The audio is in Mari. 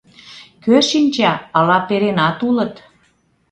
Кӧ шинча, ала перенат улыт!